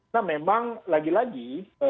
nah memang lagi lagi